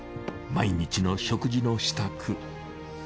毎日の食事の支度。